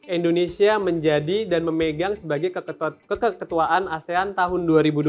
indonesia menjadi dan memegang sebagai keketuaan asean tahun dua ribu dua puluh tiga